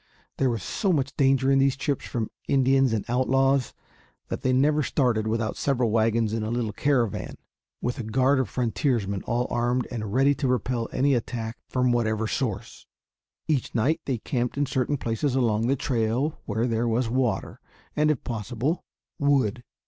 There was so much danger in these trips from Indians and outlaws that they never started without several wagons in a little caravan, with a guard of frontiersmen all armed and ready to repel any attack from whatever source. Each night they camped in certain places along the trail where there was water and, if possible, wood.